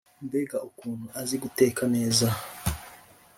Mbega ukuntu azi guteka neza